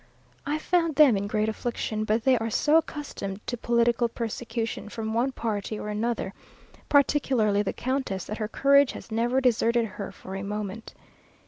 I found them in great affliction, but they are so accustomed to political persecution from one party or another, particularly the countess, that her courage has never deserted her for a moment.